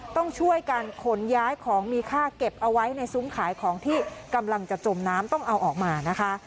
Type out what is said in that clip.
ต้องช่วยกันขนย้ายของมีค่าเก็บเอาไว้ในซุ้มขายของที่กำลังจะจมน้ำต้องเอาออกมานะคะ